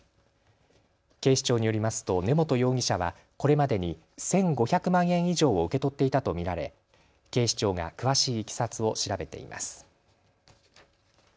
警視庁によりますと根本容疑者はこれまでに１５００万円以上を受け取っていたと見られ警視庁が詳しいいきさつを調べています。